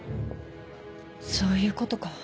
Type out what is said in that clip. そういうことか。